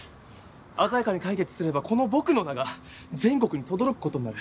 鮮やかに解決すればこの僕の名が全国にとどろくことになる。